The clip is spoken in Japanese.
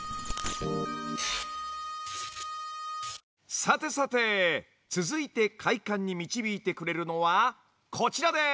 さてさて続いて快感に導いてくれるのはこちらです。